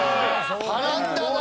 波乱だな！